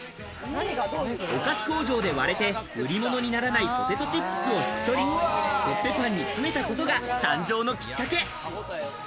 お菓子工場で割れて売り物にならないポテトチップスをコッペパンに詰めたことが誕生のきっかけ。